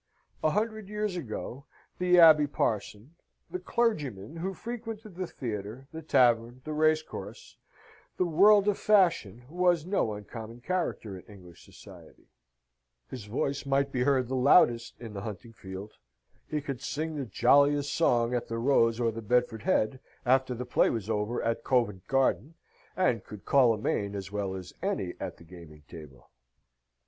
A hundred years ago, the Abbe Parson, the clergyman who frequented the theatre, the tavern, the racecourse, the world of fashion, was no uncommon character in English society: his voice might be heard the loudest in the hunting field; he could sing the jolliest song at the Rose or the Bedford Head, after the play was over at Covent Garden, and could call a main as well as any at the gaming table.